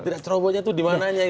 tidak cerobohnya itu dimana